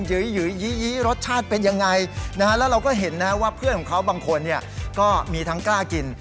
ยุ้ยรสชาติเป็นยังไงนะฮะแล้วเราก็เห็นนะว่าเพื่อนของเขาบางคนเนี่ยก็มีทั้งกล้ากิน